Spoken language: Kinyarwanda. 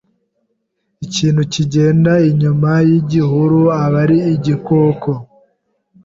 Ikintu kigenda inyuma yigihuru abari igikoko